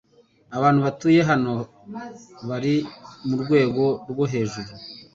Abantu batuye hano bari murwego rwo hejuru.